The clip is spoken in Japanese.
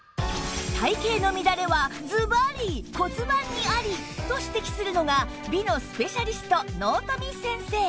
体形の乱れはズバリ骨盤にあり！と指摘するのが美のスペシャリスト納富先生